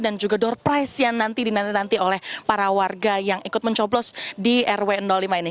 dan juga door price yang nanti dinanti nanti oleh para warga yang ikut mencoblos di rw lima ini